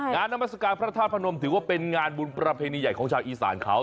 นานามัศกาลพระธาตุพนมถือว่าเป็นงานบุญประเพณีใหญ่ของชาวอีสานเขา